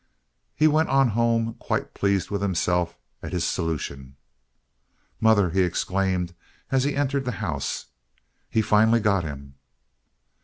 He went on home quite pleased with himself at his solution. "Mother!" he exclaimed, as he entered the house, "he finally got him!"